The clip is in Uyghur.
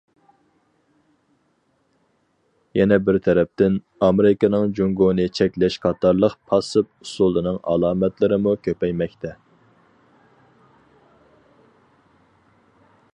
يەنە بىر تەرەپتىن، ئامېرىكىنىڭ جۇڭگونى چەكلەش قاتارلىق پاسسىپ ئۇسۇلىنىڭ ئالامەتلىرىمۇ كۆپەيمەكتە.